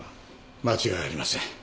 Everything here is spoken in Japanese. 間違いありません。